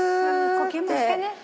呼吸もしてね。